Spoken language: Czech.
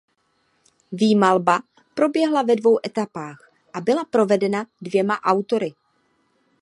Výmalba proběhla ve dvou etapách a byla provedena dvěma autory.